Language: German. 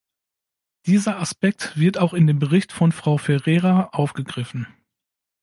Dieser Aspekt wird auch in dem Bericht von Frau Ferreira aufgegriffen.